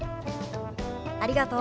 ありがとう。